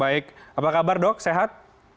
baik apa kabar dok sehat